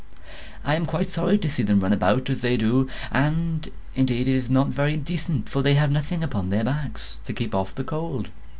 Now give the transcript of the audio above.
I am quite sorry to see them run about as they do; and indeed it is not very decent, for they have nothing upon their backs to keep off the cold.